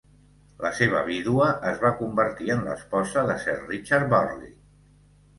La seva vídua es va convertir en l'esposa de Sir Richard Burley.